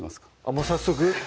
もう早速？